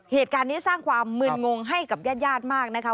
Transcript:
เหตุการณ์นี้สร้างความมึนงงให้กับญาติมากนะคะ